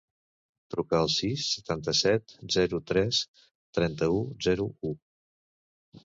Truca al sis, setanta-set, zero, tres, trenta-u, zero, u.